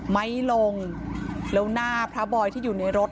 ไม่ลงแล้วหน้าพระบอยที่อยู่ในรถ